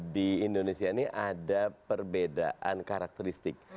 di indonesia ini ada perbedaan karakteristik